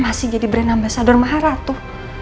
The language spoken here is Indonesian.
masih jadi brand ambasador maharatu